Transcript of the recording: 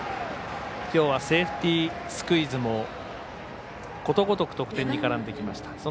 きょうはセーフティースクイズもことごとく得点に絡んできました。